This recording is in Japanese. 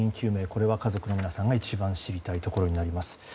これは家族の皆さんが一番知りたいことになります。